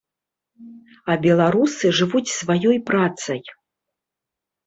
А беларусы жывуць сваёй працай.